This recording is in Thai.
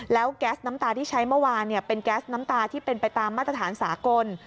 แล้วแก๊สน้ำตาที่ใช้เมื่อวานเป็นแก๊สน้ำตาที่เป็นไปตามมาตรฐานสากล